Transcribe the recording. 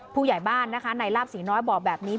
ผู้ใหญ่บ้านนะคะในลาบศรีน้อยบอกแบบนี้